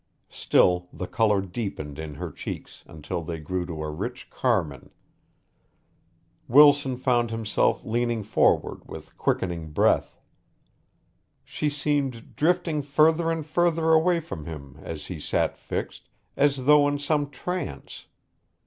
Still the color deepened in her cheeks until they grew to a rich carmine. Wilson found himself leaning forward with quickening breath. She seemed drifting further and further away from him and he sat fixed as though in some trance.